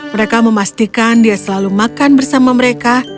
mereka memastikan dia selalu makan bersama mereka